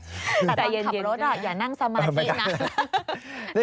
แต่ตอนขับรถอย่านั่งสมาธินะ